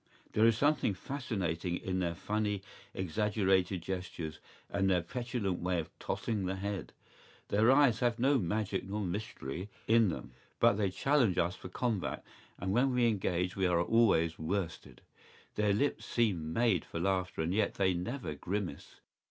¬Ý There is something fascinating in their funny, exaggerated gestures and their petulant way of tossing the head.¬Ý Their eyes have no magic nor mystery in them, but they challenge us for combat; and when we engage we are always worsted.¬Ý Their lips seem made for laughter and yet they never grimace.